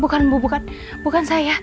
bukan bu bukan saya